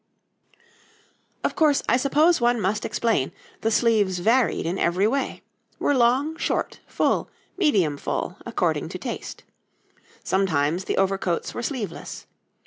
}] Of course, I suppose one must explain, the sleeves varied in every way: were long, short, full, medium full, according to taste. Sometimes the overcoats were sleeveless.